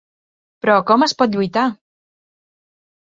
Però, com es pot lluitar?